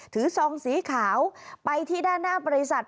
ซองสีขาวไปที่ด้านหน้าบริษัท